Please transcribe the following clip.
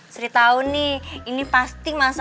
sri tau nih ini pasti masalah sms kan